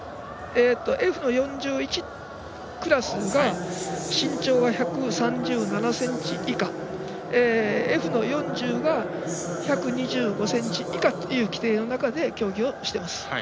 Ｆ４１クラスが身長が１３７ｃｍ以下Ｆ４０が１２５ｃｍ以下という規定の中で競技をしています。